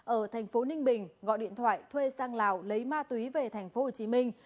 ở thành phố ninh bình gọi điện thoại thuê sang lào lấy ma túy về thành phố hồ chí minh